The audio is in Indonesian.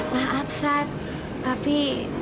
maaf sat tapi